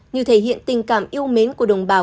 như thể hiện tình cảm yêu mến của đồng bào